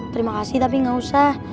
terima kasih tapi gak usah